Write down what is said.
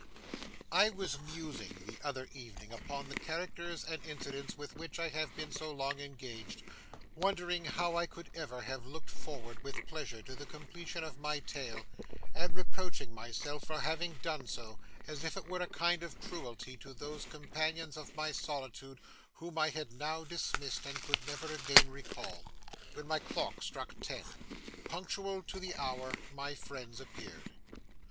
I was musing the other evening upon the characters and incidents with which I had been so long engaged; wondering how I could ever have looked forward with pleasure to the completion of my tale, and reproaching myself for having done so, as if it were a kind of cruelty to those companions of my solitude whom I had now dismissed, and could never again recall; when my clock struck ten. Punctual to the hour, my friends appeared.